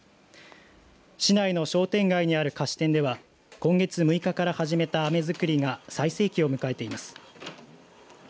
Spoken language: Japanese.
市内の商店街にある菓子店では今月６日から始めたアメ作りが最盛期を迎えています。